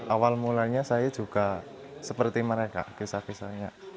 awal mulanya saya juga seperti mereka kisah kisahnya